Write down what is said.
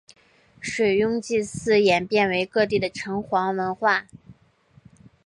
水庸祭祀演变为各地的城隍文化。